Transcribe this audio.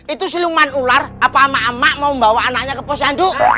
itu siluman ular apa ama ama mau membawa anaknya ke posan duk